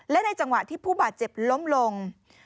และในจังหวะที่ผู้บาดเจ็บล้มลง